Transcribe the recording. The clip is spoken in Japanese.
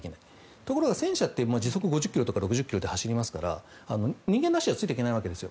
ところが、戦車って時速５０キロとか６０キロで走りますから人間の足ではついていけないわけです。